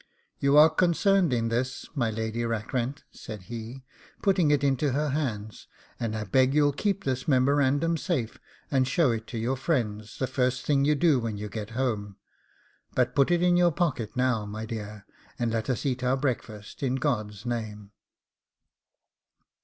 'You are concerned in this, my Lady Rackrent,' said he, putting it into her hands; 'and I beg you'll keep this memorandum safe, and show it to your friends the first thing you do when you get home; but put it in your pocket now, my dear, and let us eat our breakfast, in God's name.